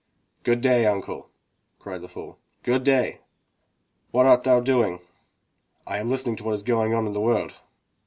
"Good day, uncle!" cried the fool. "Good day!" "What art thou doing?" "I am listening to what is going on in the world."